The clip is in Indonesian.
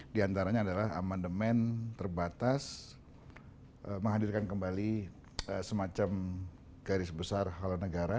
di antaranya adalah amandemen terbatas menghadirkan kembali semacam garis besar halal negara